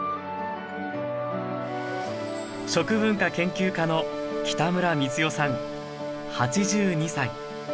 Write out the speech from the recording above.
食文化研究家の北村光世さん８２歳。